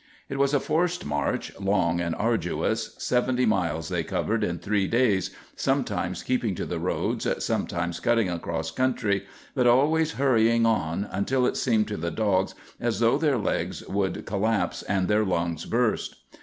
It was a forced march, long and arduous. Seventy miles they covered in three days, sometimes keeping to the roads, sometimes cutting across country, but always hurrying on until it seemed to the dogs as though their legs would collapse and their lungs burst.